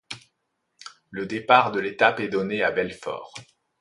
Le départ de l'étape est donné à Belfort.